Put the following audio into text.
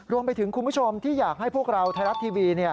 รวมไปถึงคุณผู้ชมที่อยากให้พวกเราไทรัตน์ทีวี